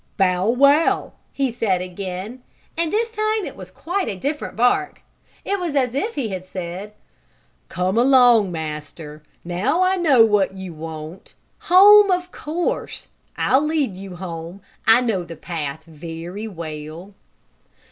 "Bow wow!" he said again, and this time it was quite a different bark. It was as if he said: "Come along, Master! Now I know what you want! Home, of course! I'll lead you home. I know the path very well!"